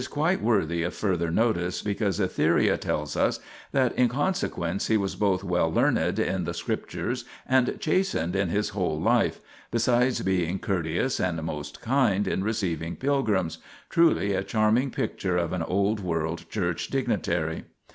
INTRODUCTION xxxi quite worthy of further notice, because Etheria tells us that " in consequence he was both well learned l in the scriptures and chastened in his whole life," besides being " courteous and most kind in receiving pilgrims" truly a charming picture of an old world church dignitary.